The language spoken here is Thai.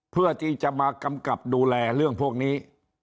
เพื่อที่จะมากำกับดูแลเรื่องพวกนี้